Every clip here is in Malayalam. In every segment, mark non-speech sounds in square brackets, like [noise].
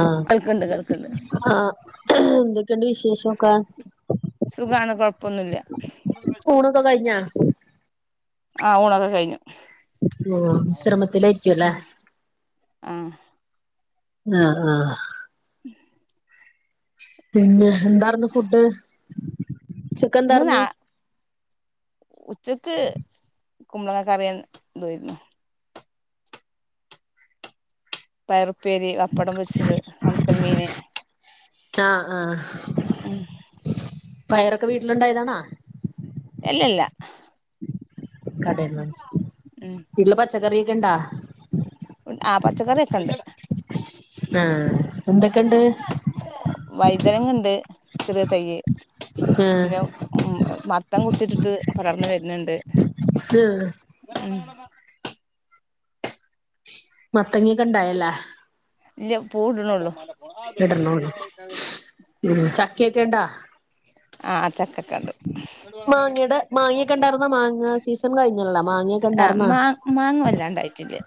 ആ കേൾക്കണ്ട് കേൾക്കണ്ട് ആ എന്തൊക്കെയുണ്ട് വിശേഷക്കെ സുഖാണ് കൊഴപ്പൊന്നുല്ല ഊണ് ഒക്കെ കഴിഞ്ഞോ ആ ഊണ് ഒക്കെ കഴിഞ്ഞു ഓ വിശ്രമത്തിലായിരിക്കല്ലേ. ആ ആഹ് ആഹ് പിന്നെ എന്തായിരുന്നു ഫുഡ് ഉച്ചക്ക് ഇന്ന് നാ എന്താർന്ന് ഉച്ചക്ക് കുമ്പളങ്ങ കറി എന്തോയിരുന്നോ പയർ ഉപ്പേരി ബപ്പടം പൊരിച്ചത് ഒണക്കൽ മീന്. ആ ആ ഉം പയറ് ക്കെ വീട്ടിലുണ്ടായതാണോ എല്ലല്ല കടേന്നു ഉം വീട്ടിൽ പച്ചക്കറി- ഇണ്ടോ ആ പച്ചക്കറിയൊക്കെണ്ട് ആഹ് എന്തൊക്കെണ്ട് വയ്തനങ്ങ ഇണ്ട് ചെറി തയ്യ് ആഹ് പിന്നെ ഉം മത്തം കുത്തിട്ട്- ത്ത് പടർന്നു വരുന്നുണ്ട് ആഹ് ഉം മത്തങ്ങിക്കെ ഇണ്ടായല്ല ഇല്ല പൂ ഇടിനെയുള്ളു ഇടണോന്ന് ചക്കയൊക്കെ ഇണ്ടാ ആഹ് ചക്കക്കണ്ട് മാങ്ങയുടെ മാങ്ങയൊക്കെ ഇണ്ടാർന്നാ മാങ്ങ സീസൺ കഴിഞ്ഞല്ലോ മാങ്ങയൊക്കെ ആ ഇണ്ടാർന്നാ മാ മാങ്ങ വല്ലാണ്ടായിട്ടുണ്ട്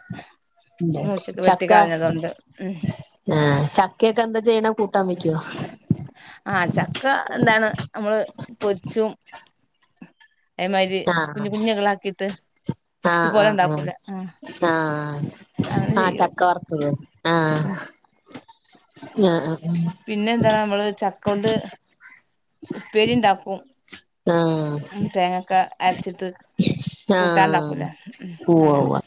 ചക്ക ഉം ആ ചക്കയൊക്കെ എന്ത് ചെയ്യണം ആഹ് ചക്ക എന്താണ് നമ്മളെ പൊരിച്ചും അതേമാതിരി ആഹ് കുഞ്ഞു കുഞ്ഞുകളാക്കിയിട്ട് ആഹ ചിപ്സ് പോലെ ആഹ് ഉണ്ടാക്കൂലേ ആ ആഹ ആഹ അങ്ങനെ ആഹ ചെയ്യും ചക്ക വർത്തത് ആഹ് ഉം ആഹ് ആ പിന്നെ എന്താ നമ്മള് ചക്കണ്ട് ഉപ്പേരി ണ്ടാക്കും ഉ തേങ്ങൊക്കെ അരച്ചിട്ട് തേങ്ങക്കെ തേങ്ങക്കെ അരച്ചിട്ട് ആഹ് കൂട്ടാണ്ടാക്കൂലേ ഉവ്വ് അങ്ങനെ ഉവ്വ്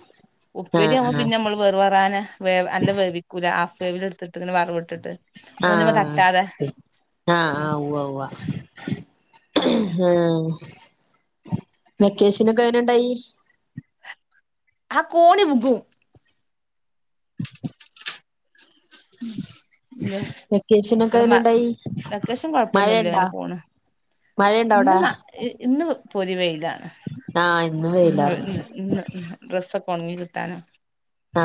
ആഹ് ആഹ് ഉപ്പരിയാവുമ്പോൾ പിന്നെ നമ്മള് വെറു വരാന്ന വേവ് അല്ല വേവിക്കൂലആഹ് വേവി എടുത്തിട്ട് വറവിട്ടിട്ട് ഒന്നിമ്മെ ആഹ് തട്ടാതെ ഉം ആഹ് ഉവ്വ ഉവ്വ ആഹ് അങ്ങനെ [unintelligible] വെക്കേഷിനൊക്കെങ്ങനുണ്ടായി ആ കോണി വുഗ്ഗും ഇ വെക്കേഷനൊക്കെ ഇവിടെ എങ്ങനെണ്ടായി ലൊക്കേഷൻ കൊഴപ്പൊന്നുല്ല മഴയുണ്ടോ ങ്ങനെ പോണ് മഴയുണ്ടോ അവിടെ ഇന്ന് ഇന്ന് പൊരി വെയിലാ [inaudible] ആഹ് ഇന്ന് ഒ വെയിലാർന്നു ണങ്ങി കിട്ടാന ആ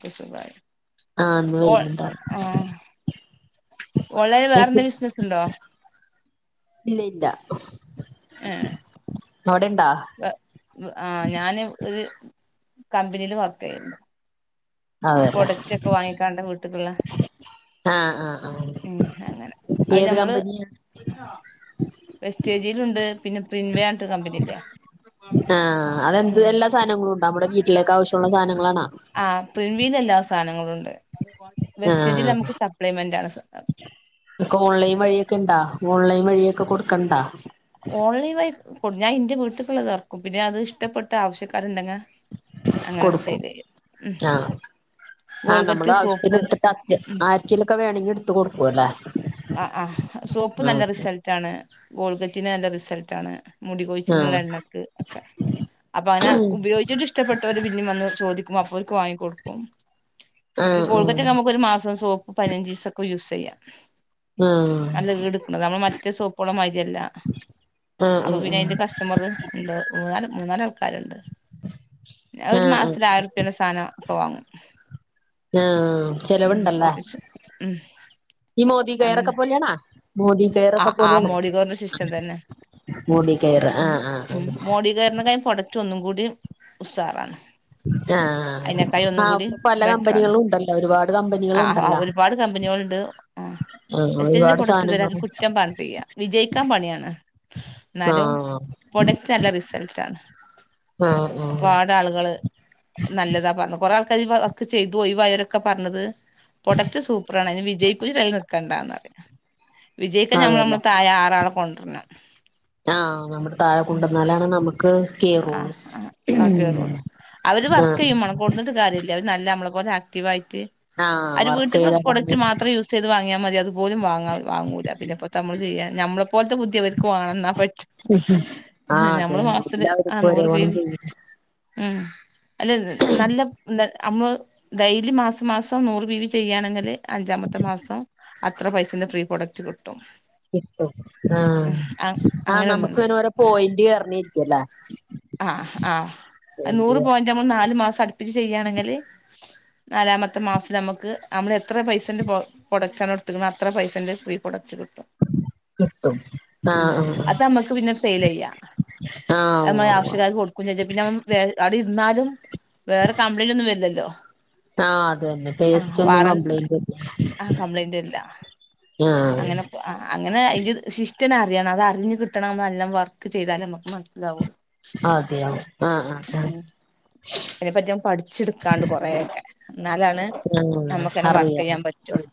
ക്കെ സുകായി ആ ഇന്ന് വെയിലുണ്ടാ ഓണ്ലൈന് വേറെന്താ ബിസിനസ് ഉണ്ടോ ഇല്ല ഇല്ല ഏ അവിടെണ്ടാ വ് വ് ആ ഞാന് ഒരു കമ്പനിൽ വർക്കുന്നു അതേല്ലേ പ്രൊഡക്റ്റ് ഒക്കെ വാങ്ങിക്കാണ്ട് വീട്ട് ക്ള്ളെ ആഹ് ആഹ് ആഹ് ഉം അങ്ങനെ അത് ഏത് ഞമ്മള് കമ്പനിയാ വെസ്റ്റേജിലുണ്ട് പിന്നെ പ്രിൻവേ ആണ്ട് കമ്പനില്ലേ ആ അതെന്ത് ഉം എല്ലാ സാനങ്ങളു ഉണ്ടാ നമ്മടെ വീട്ടിലേക്ക് ആവശ്യമുള്ള സാനങ്ങളാണാ വീട്ടിലെ എല്ലാ സാനങ്ങളും ഉണ്ട് ആഹ് വെസ്റ്റേജിലമ്മക്ക് സപ്ലിമെന്റ് ആണ് സ ഓൺലൈ വഴിയെക്കെ കൊടുക്കണ്ടാ ഓൺലൈൻ വ ഞാൻ എന്റെ വീട്ടിക്കുള്ളത് ഇറക്കും പിന്നെ അത് ഇഷ്ടപ്പെട്ട് ആവശ്യക്കാരുണ്ടെങ്കിൽ അങ്ങനെ കൊടുക്കും സെയിൽ ചെയ്യും ഉം ആ ആ നമ്മൾ ഗോൾഗറ്റ് സോപ്പ് ആവശ്യത്തിനെടുത്തിട്ട് ആർ ഉം ആർക്കേലുമൊക്കെ വേണെങ്കി എടു ത്ത് കൊടുക്കുവല്ലേ അ അ സോപ്പ് നല്ല റിസൾറ്റ് ആണ് ഗോൾ റ്റിന് നല്ല റിസൽറ്റാണ് മുടികൊഴിച്ചില്ന്ള്ള ആഹ് എണ്ണക്ക് ഒക്കെ അപ്പ അങ്ങ്നെ ഉപയോഗിച്ചിട്ട് ഇഷ്ടപ്പെട്ടോൽ പിന്നെം വന്ന് ചോദി വ ഫ്യൂൽക്ക് വാങ്ങി കൊടുക്കും പിന്നെ ആഹ് കോൾഗറ്റൊക്കെ നമ്മക്ക് ഒരു മാസം സോപ്പ് പയിനഞ്ചീസ് ഒക്കെ യൂസ് ചെയ്യാം [inaudible] ആഹ് ആഹ് നല്ല ഈട്ക്ക്ണത് നമ്മള് മറ്റേ സോപ്പോളെ മായിരിയല്ല ആഹ് ആഹ് അപ്പൊ പിന്നെ ആഹ് അതിന്റെ കസ്റ്റമർ ഉണ്ട് മൂന്നാ മൂന്നാല് ആൾക്കാരുണ്ട് ഞാ ആഹ് ഒരു ആഹ് മാസത്തില ആയിരം ഉറുരപ്യന്റെ സാനം ഇപ്പൊ വാങ്ങും ആഹ് ഉം ചെലവുണ്ടല്ലേ ഒത്തിച് ഉം ദി കയറൊക്കെ അങ്ങനെ പോലെയാണാ മോദി കെയറൊക്കെ ആഹ് ആഹ് പോലെയാണാ മോഡികെയറിന്റെ സിസ്റ്റം തന്നെ മോദി കെയറ് ആ ഉം ആ ആ ഉഷാറാണ് ആ ആ ആ ആപ്പൊ പല ബെറ്ററാണ് കമ്പനികളും ഉണ്ടല്ലോ ഒരുപാട് കമ്പനികള് ആ ഉണ്ടല്ലാ ഒരുപാട് കമ്പനികളുണ്ട് ആ വെസ്റ്റേജിന്റെ പ്രൊഡക്റ്റ് ഇതുവരെ ആരും കുറ്റം പർഞ്ഞിട്ടില്ല്യാ വിജയിക്കാൻ പണിയാണ് ന്നാലും ആഹ് പ്രൊഡക്റ്റ് നല്ല റിസൽറ്റാണ് ആഹ് ആഹ് പ്പാട് ആളുകള് നല്ലതാ പറഞ്ഞു കൊറേ ആൾ കൈ [unintelligible] ചെയ്തു ഒയിവായവരൊക്കെ പറഞ്ഞത് പ്രൊഡക്റ്റ് സൂപ്പറാണ്ണ് അതിന് വിജയിക്കൂലി കുറിച്ച് കണ്ടാന്നറ്യ വിജയിക്ക് നമ്മ അതല്ലേ നമ്മുടെ തായെ റാളെ കൊണ്ട പന്ന ആഹ് നമ്മുടെ താഴെ കുണ്ടന്നാലാണ് നമ്മുക് ആഹ് ആ് ആ കേറളൂ അവര് വർക്ക് ആഹ് ചെയ്യും വേണം കൊണ്ന്നിട്ട് കാര്യല്ല അവര് നല്ല നമ്മള ഒരാക്റ്റീവ് ആയി റ്റ് ആഹ് അത് ഒരു വർക്ക് വീട്ടക്ക് ചെയ്തതാണ് പ്രോഡക്റ്റ് മാത്രം യൂസ് ചെയ്ത് വാങ്ങിയാൽ മതി അതുപോലും വാങ്ങാം വാങ്ങൂല പിന്നെ പൊത്തമ്മൾ ചെയ്യൻ ഞമ്മൾ പോല്ത്തെ ഭുദ്ധിയവർക്ക് വാണം ന്നാ പറ്റും ഞമ്മള് ക്ലാസിൽ ഓരോന്ന് ചെയ്യ്ൻ ഉം അല്ലെ നല്ല ന [unintelligible] അമ്മ് ഡെയിലി മാസം മാസം നൂറ് ബി വി ചെയ്യാണെങ്കില് അഞ്ചാമത്തെ മാസം അത്ര പൈസന്റെ ഫ്രീ പ്രോഡക്റ്റ് കിട്ടും കിട്ടും ആഹ് ഉം ആഹ് അങ്ങനെ നമുക്ക് ഇങ്ങനെ ഓരോ പോയിന്റ് യെറഞ്ഞ ഇരിക്കുവല്ലേ ആഹ ആഹ പോയിന്റ് നൂറ് പോയിന്റ്മ്മൾ നാല് മാസംടു പിൻ ചെയ്യാണെങ്കില് നാലാമത്തെ മാസം നമുക്ക് നമ്മള് എത്ര പൈസന്റെ പ്രൊഡക്റ്റാണ് എടുത്ത് ണ് അത്ര പൈസന്റെ പ്രീ പ്രൊഡക്റ്റ് കിട്ടും കിട്ടും ഉം ആഹ് ആഹ് അത് നമ്മക്ക് ആഹ് ഉവ്വ് ഞമ്മളെ ഉവ്വ് ആവഷ്യകാർ ക്ക് കൊടുത്തും ചജ്ജ [unintelligible] പിന്നെ [unintelligible] അവിടെ ഇരുന്നാലും വേറെ കംപ്ലൈന്റ് ഒന്നും വരില്ലല്ലോ ആഹ് അത് തന്നെ ആ ടേസ്റ്റ് ഒന്നും വേറെ കംപ്ലൈന്റ് ആ കംപ്ലൈന്റ് വരില്ല ആഹ് അങ്ങനെ ആ അങ്ങനെ അതിന്റെ ശി [unintelligible] അറിയണം അത് അറിഞ്ഞ് കിട്ടണം എല്ലാം വർക്ക് ചെയ്താലേ നമുക്ക് മനസിലാവുള്ളൂ അതെയോ ആഹ് ആഹ് ഉ ആഹ് അതിനെപറ്റി ഒന്ന് പഠിച്ചെടുക്കാണ്ട് കൊറെയൊക്കെ എന്നാലാണ് ആഹ് നമുക്ക് തന്നെ വർക്ക് അറിയാം ചെയ്യാൻ പറ്റുള്ളൂ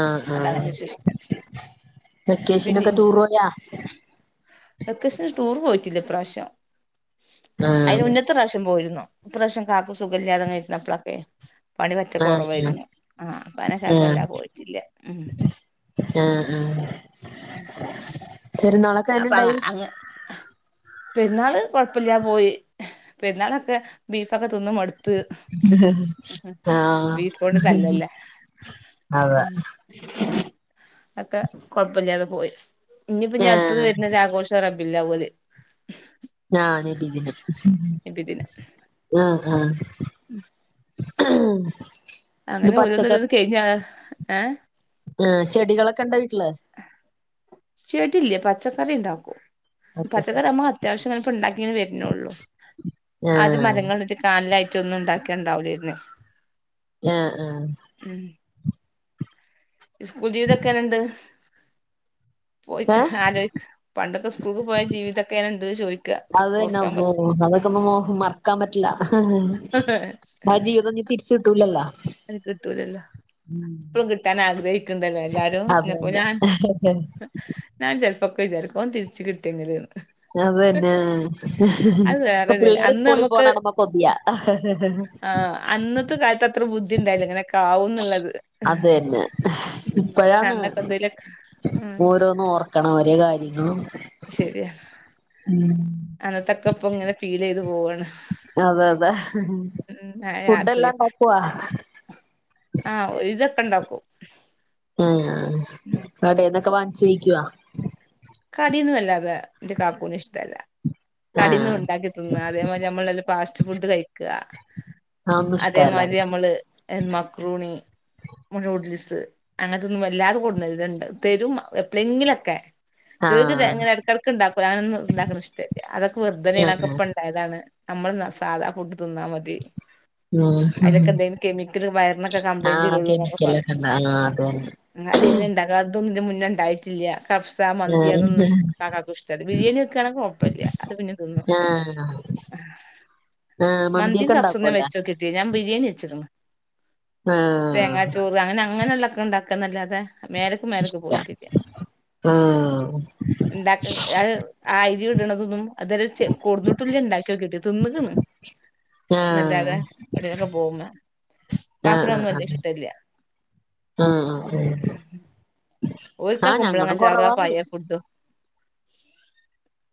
ആഹ് അതാണ് ആഹ് വിശിഷ്ടം പിന്നേ വെക്കേഷനൊക്കെ ടൂർ പോയാ വെക്കേഷൻ ടൂറ് പോയി ഈ പ്രാവശ്യം അതിന് ആഹ് മുന്നത്തെ പ്രാവശ്യം പോയിരുന്നോ ഈ പ്രാവശ്യം കാക്ക സുഖമില്ലാതെ ഇരുന്നപ്പോളൊക്കെയേ ആ ആ അപ്പനക്കായപ്പോ വല്ലാതെ പോയിട്ടില്ല ഉം ആ ആ പെരുന്നാളൊക്കെ അപ്പൊ എങ്ങനുണ്ടായി അങ്ങ് പെരുന്നാള് കൊഴപ്പവില്ലാതെ പോയി പെരുന്നാളൊക്കെ ബീഫൊക്കെ തിന്ന് മടുത്ത് ആഹ് ത്ത് [unintelligible] തല്ലല്ലേ. അതെ അതൊക്കെ കൊഴപ്പമില്ലാതെ പോയി. ഇനി പിന്നെ ഇപ്പൊ ആഹ് വരുന്നു ഒരു ആഘോഷം ആണ്. [unintelligible] ഞാ നബിദിനം ആഹ് ആഹ്. ഉം പിന്നെ അങ്ങനെ ഓരോന്ന് പച്ചക്കറി ഓരോന്ന് കേക്കാണ്. ഏഹ് ആഹ് ചെടികളെ കണ്ടോ വീട്ടില് ചെടില്ല പച്ചക്കറിയുണ്ടാക്കും. പച്ചകറി പച്ചക്കറി നമ്മള് അത്യാവശ്യത്തിന്. ഇപ്പ ഉണ്ടാക്കേ വരുന്നേള്ളൂ. അത് ആഹ് മരങ്ങളിട്ട്. [unintelligible] മറ്റൊന്ന് ഉണ്ടാക്കേണ്ടാ വരുന്നേ. ആ ആ സ്കൂൾ ജീവിതൊക്കെനണ്ട് പോയിട്ട് ഏഹ് ആലോയ്ക്ക് പണ്ടത്തെ സ് സ്കൂൾക്ക് പോയ ജീവിതൊക്കെ എങ്ങനെണ്ട് ചോ അതനെ അന്നും ഇന്നും അതൊക്കെ ഒന്നും മറക്കാൻ പറ്റില്ല ആ ജീവിതം ഞ്ഞ് തിരിച്ചു കിട്ടൂലല്ലോ അത് കിട്ടൂലല്ലോ ഇപ്പളും കിട്ടാൻ ആഗ്രഹിക്കണ്ടല്ലേ എല്ലാരും അത് [unintelligible] തന്നെ ഞാൻ ഞാൻ ച ൽപൊക്ക വിചാർക്കും അഒന്ന്തിരിച്ച് കിട്ട്യങ്ക് ല്ന്ന് അത് തനെ അത് ഇപ്പൊ വേറൊരു പിള്ളേര് അന്ന് സ്കൂളിൽ നമുക്ക് പോണാണു മ്മം കൊതിയാ ആഹ് അന്നത്തെ കാലത്ത് അത്ര ബുദ്ധി ഉണ്ടായില്ല ഇങ്ങനെക്കാവുന്നുംള്ളത് അത് തന്നെ ഉം ഇപ്പഴാണ് അന്നൊക്കെന്തേലൊക്കെ ആ അ ശരി യാ അനത്തൊക്കെ ഇപ്പം ഇങ്ങനെ ഫീൽ ചെയ്ത് പോവാ അതെ അതെ ഉം ആ ഫുഡ് യാത്രയില് എല്ലാം ഉണ്ടാക്കുവാ ആഹ് ഇതൊക്കെ ണ്ടാക്കും ആഹ് ആ കടെന്നൊക്കെ വാ ചെയിക്ക് യോ ട്യേന്ന് വല്ലാതെ ഇന്റെ കാക്കൂ ന് ഇഷ്ടല്ല കടി ന്ന് ആഹ് ഇണ്ടാക്കി തിന്നാ അതേമാരി നമ്മൾ ണ്ടല്ലോ ഫാസ്റ്റ് ഫുഡ് കഴിക്കാ അതൊന്നും ഇഷ്ടല്ല അതേമാതിരി നമ്മള് മക്രൂണി ന്യൂഡിൽസ് അങ്ങനത്തൊന്നും വല്ലാതെ കൊടുന്നരൂല ഇണ്ട് തെരും എപ്ളെങ്കിലൊക്കെ ചലോൽക്ക് ആഹ് ഇങ്ങനെ എടക്കടക്ക് ഉണ്ടാക്കുലേ അങ്ങനൊന്നും ഉണ്ടാക്കണ ഇഷ്ടല്യ അതൊക്കെ വെർതനേണ് അഒക്കെ ആഹ് ഇപ്പം ഇണ്ടായതാണ് നമ്മള് ന്നാ സാധാ ഫുഡ് തിന്നാ മതീ ഉം അയ് ലൊക്കെ എന്തേലും കെമിക്കൽ വയറിനൊക്കെ ആഹ് കപ്ലയിൻ്റെരെള്ളൂ ന്നൊക്കെ പറിം കെമിക്കലൊക്കെ ഉണ്ട് ആഹ് അത് തന്നെ [unintelligible] പിന്ന ഉണ്ടായിട്ടില്ല കബ് മന്തിയതൊന്നും ആഹ് കാക്കാക്കും ഇഷ്ടല്ല ബിരിയാണി വെക്കാണെങ്കിൽ കുഴപ്പല്ല അത് പിന്നിം തിന്നും ആഹ് ആഹ് മന്തിയും മന്തിയൊക്കെ കഫ്സ ഒന്നും ഞാൻ ഉണ്ടാക്കുവല്ലേ വെച്ചോക്കിട്ടില്ല ഞാൻ ബിരിയാണി വെച്ച്ക്ക് ണ് ആഹ് തേങ്ങാ ചോറ് അങ്ങനെ അങ്ങനെ ഉള്ളൊക്കെ ഇണ്ടാ ക്കന്നല്ലാതെ മേലക്കും മേലക്ക് ഇഷ്ടാ പോയിട്ടില്ല ആഹ് ഐരിലിട്ണ തൊന്നും അതര് ച് കൊട്ന്നുട്ടുല്യ ഇണ്ടാക്കിനോക്കിട്ടും തിന്നു ക്ണ് ആഹ് നല്ലാതെ എവിടലോക്കെ പോകുംമ്പ കാക്കൂന് ആഹ് അതൊന്നും വല്ല്യ ആഹ് ഇഷ്ടല്ല ആഹ് ആഹ് ഓല്ക്കാ ആഹ് കുമ്പളങ്ങ ഞങ്ങളും ചാറും ആ കൊറവാണ് പയേ ഫുഡും ഉ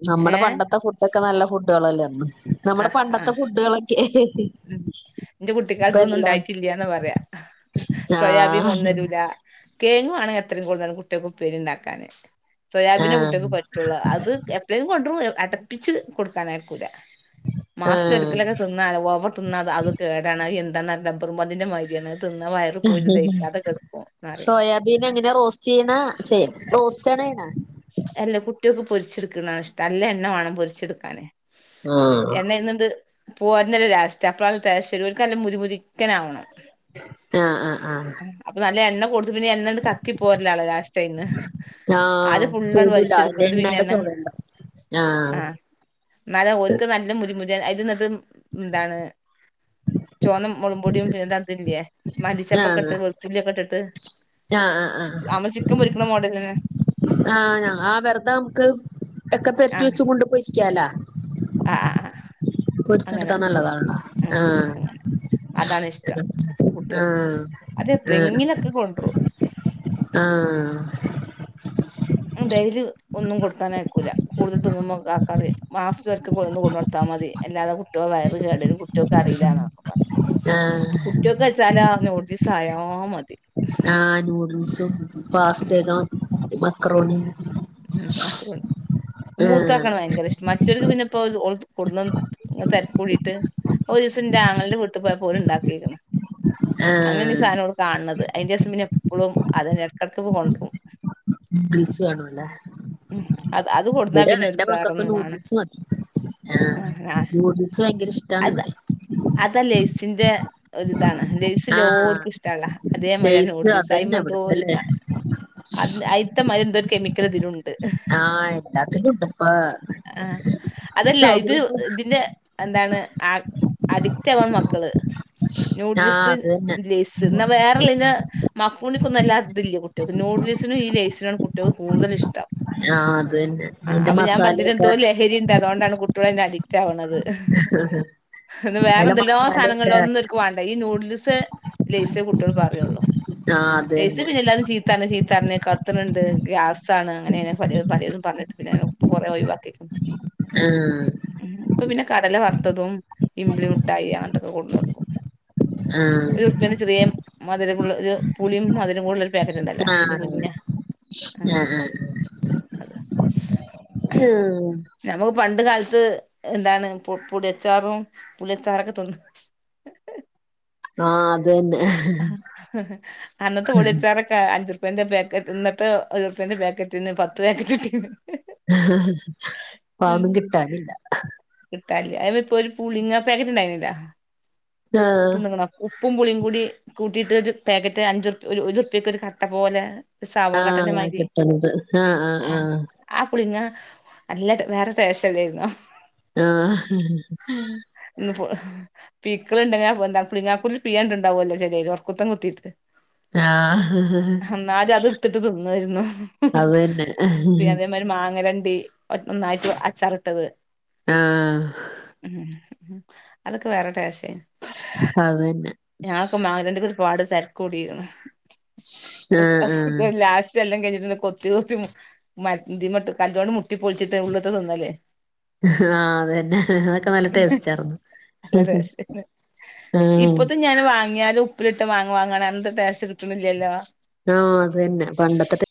നമ്മുടെ പണ്ടത്തെ ഫുഡൊക്കെ നല്ല ഫു ഡേളല്ലാരുന്നൊ ആഹ് ആ ഉ ഇന്റെ ഇപ്പ കുട്ടിക്കാലത്ത്തൊന്നും എല്ലാം ഉണ്ടായിട്ടില്ലാന്നാ പർയാ സോയാബീൻ ആഹ് കൊന്നരൂല കേങ്ങുവാണെങ്കി എത്രയും കൊട്ന്നോളീം കുട്ടികൾക്ക് ഉപ്പേരി ഉണ്ടാക്കാന് സോയാബീനെ ആഹ് കുട്ടികൾക്ക് പറ്റുള്ളൂ അത് എപ്പളെലും കൊണ്ട് വരും അടപ്പിച്ച് കൊടുക്കാനായക്കൂല്ല മാസത്തിൽ ആഹ് ഒരിക്കലൊക്കെ തിന്നാ ഓവർ തിന്നാ അത് കേടാണ് അത് എന്ത് [unintelligible] ഡബ്ബറും പന്തിന്റെ മാതിരിയാണ് തിന്നാ വയറ് പോയി ദഹിക്കാതെ കെടക്കും ന്നറിം സോയാബീൻ എങ്ങനെയ റോസ്റ്റ് ചെയ്യണ ചെയ്യ റോസ്റ്റാണോ ചെയ്യണേ അല്ല കുട്ടികക്ക് പൊരിച്ചെടുക്കണ ഇഷ്ടം അല്ലെ എ ണ്ണ വേണം പൊരിച്ചെടുക്കാന് ആഹ് എണ്ണ അയ്ന്ന്ണ്ട് പോരണം ഒര് ലാസ്റ്റ് അപ്പളാണ് ടേസ്റ്റ് വര ഓര്ക്കു നല്ല മുരി മുരിക്കനെ ആവണം ആ ആ ആ അത് പിന്നെ അണ്ട് കക്കി പോരലാണ് ലാസ്റ്റയിന്ന് ആഹ കൂടൂല എണട ചോടണ്ട ആഹ ആ [unintelligible] അതിന്റ നടും എന്താണ് [unintelligible] ചോന്ന മുളുംപൊടിയും പിന്നെതാതില്ലേ മലിച്ചപ്പൊക്കെ ഇട്ട് ആഹ് വെളുത്തുള്ളിയൊക്കെ ഇട്ടിട്ട്- ആഹ് ആഹ് നമ്മള് ചിക്കൻ പൊരിക്കണ മോഡെലി തന്നെ ആഹ് ഞ ആ വെറുതെ നമുക്ക് ഒക്കെ ആ പെരട്ടി വെച്ച് കൊണ്ട് പോയി ക്കേല ആ ആ ആഹ് പൊരിച്ചെടുക്കാൻ നല്ലതാണ് ആ അങ്ങനെ അതാണ് ഇഷ്ടം ആ കുട്ടിയോൾക്ക് അത് എപ്പളെങ്കിലൊക്കെ കൊണ്ടരും ആ ആ ഡൈര് ഒന്നും കൊടുക്കാൻ ആക്കൂല്ല കൂടുതൽൊന്നും ആക്കാറിയ മാസം വർക്ക് കൊന്ന് കൊണ്ട കൊടുത്താ മതി അല്ലാതെ കുട്ടികളൾ വയറ കേടും കുട്ടിയോക്ക് അറിയില്ല പറ ആഹ് കുട്ടിയൊക്കെ വെച്ചാ സായ മതി ആഹ് നൂഡിൽസും പാസ്ത- ഉ മക്രോണി അണ്ട് മൂത്ത ഏഹ് ആക്ക ഭയങ്കര ഇഷ്ടം മറ്റവർക്ക് പിന്നെ- ഇ കുട തരക്കൂടിയിട്ട് ഒരു ദിവസംറെ ആങ്ങളിന്റെ വീട്ടിൽ പോയ പോലും ഉണ്ടാക്കിരിക്കണം [unintelligible] അങ്ങനാണ് ഈ ഏഹ് സാധന ഇവിടെ കാണണത് അതിന്റെ ഇസം പിന്നെ എപ്പോഴും അതിനെടക്കെടക്ക് പോ കൊണ്ടുപോകും നൂഡിൽസ് വേണം അല്ലേ അത് അത് കൊടുന്നാ ഇവിടെ പിന്നെ എന്റെ ഓര്ക്ക് മക്കൾക്ക് വേറൊന്നും വേണം നൂഡിൽസ് മതി ആ ആഹ് നൂഡിൽസ് ഭയങ്കര ഇഷ്ടാണ് ഇവിടെ ചിന്ത ഒരു അതാണ് ലെയ്സ് ആഹ് ലോർക്കും ഇഷ്ടമല്ല അതേമാതിരി തന്നെ ലേസ് ന്യൂഡിൽസ് അതുമേ അതന്നെ എന്തോ ഇവിടത്തെല്ലേ [unintelligible] എന്തോ ഒരു കെമിക്കൽ ഇതിലുണ്ട് ആഹ എല്ലാത്തിട്ടുണ്ട്പ്പപ്പ ആ അതല്ല ഇത് നമ്മളിപ്പോ ഇതിന്റെ എന്താണ് ആ അഡിക്റ്റ് ആവാണ് മക്കള് ആഹ് നൂഡിൽസ് അത് തന്നെ ലെയ്സ് എന്നാ നൂഡിൽസ് വേറെള്ളന്ന മക്കുണിക്കൊന്നുംല്ല ഇതില്ല കുട്ടികൾക്ക് നൂഡിൽസിനും ഈ ലൈസ് കുട്ടികൾ കൂടുതൽ ഇഷ്ടം ആഹ അത് തന്നെ ആ തിന്റെ മസാലൊക്കെ കുട്ടികള തന്നെ അഡിക് ആവണന്നത് ഇന്ന് വേറെ അതിന്റെ എന്തെല്ലോ മസാലയൊക്കെ സാധനങ്ങളിലോ ഒന്നുംക്ക വേണ്ട ഈ നൂഡിൽസ് ലേസ കുട്ട ട്ടികൾക്കു പറയുള്ളൂ ആഹ് അത് ലെയ്സി തന്നെ പിന്നെ എല്ലാവരും ചീത്തെ ചീത്തറിനെ ട്ടനുണ്ട് പണ്ട് ഗ്യാസാണ് അങ്ങനെെ പല പലതും പറഞ്ഞിട്ട് പിന്നെെ ഒപ്പ കുറെേ ഒഴിവാക്കിയിുന്നു ആഹ ഇപ്പൊ പിന്നെ കടല വറുത്തതും ഇംപ്ളിമുട്ടായി അങ്ങനത്തൊക്കെ കൊണ്ട്ോർക്കും ആഹ് ഒരു ഉപ്പന് ചെറിയ മൊ എരിവ് ഉള്ളത് പുളിയും മതുരം ഉള്ളത് ല്ല ഡാക്കിട്ടുണ്ടല്ലോ കുഞ്ഞു കുഞ്ഞ ആഹ ആഹ ആഹ പണ്ട കാലത്ത് എന്താണ് പുളിയച്ചാറും പുളിയച്ചാറൊക്കെ തിന്നും ആഹ് അത് തന്നെ അന്നത്ത ടിച്ചാറക്ക അഞ് പ്പ എന്താ പാക്കറ്റ് പത്ത് ഒരുുപ്പന്റെ പാക്കറ്റ നിന്ന് പത്ത് പാക്കറ്റിന്ന് പന്നും കിട്ടാനില്ല തല്ല അ ഇപ്പൊ ഒരു പുളിങ്ങാ പാക്കറ്റ് ഉണ്ടായിുന്നില്ല ആഹ് തന്നങ്ങ ന ഉപ്പും പുളിയും കൂടി കൂട്ടിയിട്ട് ഒരു പാക്കറ്റ് അഞ്ച് ഒരു റുപ്പ്യക്ക്ൊ ഒരു കട്ട പോലെ സാവ ആഹ് കിട്ടണ്ട് ആഹ് ആഹ് ആഹ അല്ല വേറെൊ ശംല്ലായിരുന്നുോ [unintelligible] ആഹ പീക്കളുണ്ടെന്തങ്ങക്കല് പീണ്ടാവുമല്ലേ ശരിഓർക്കുത്തം കുത്തിയിട്ട് [unintelligible] ആഹ തിന്നോരുന്നു പിന്നെ ആഹ് അതെ മാതിരി മാങ്ങ ടി നന്നായിട്ട് അച്ചറിട്ടത് ഉം അതൊക്കെ വേറെ ടേസ് അത് തന്നെ ഞങ്ങക് മ രണ്ട് കുറി പാട് തിരക്ക് കൂടിക്ക്ണ് ആഹ ആഹ എല്ലാം കഴിഞ്ഞിട്ടുണ്ട് കൊത്തി കൊത്തി മതി മട്ട് കല്ലോണ്ട് മുട്ടി പൊളിച്ചിട്ട് ഉള്ളത്തെ തിന്നല്ലേ ആഹ അതന്നെ അതൊക്കെ നല്ല ടേസ്റ്റ് ആരുന്നു നല്ല ടേസ്റ്റ് ആ ഇപ്പത്തെ ഞാൻ വാങ്ങിയാലും ഉപ്പിലിട്ടമാങ്ങാ വാങ്ങണ അന്നത്തെ ടേസ്റ്റ് കിട്ടുന്നില്ലല്ലോ ആഹ അത് തന്നെ പണ്ടത്തെ